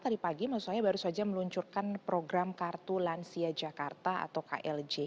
tadi pagi maksud saya baru saja meluncurkan program kartu lansia jakarta atau klj